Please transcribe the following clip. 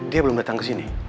dia belum datang kesini